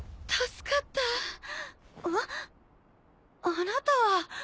あなたは。